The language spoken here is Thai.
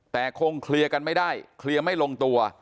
แต่คงเคลียร์กันไม่ได้เคลียร์ไม่ลงตัว